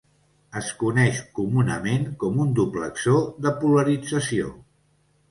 Es coneix comunament com un duplexor de polarització.